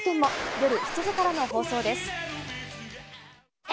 夜７時からの放送です。